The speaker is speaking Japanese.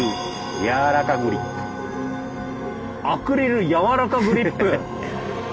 「アクリルやわらかグリップ」！